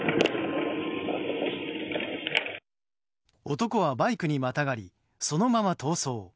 男はバイクにまたがりそのまま逃走。